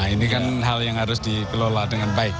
ini kan hal yang harus dikelola dengan baik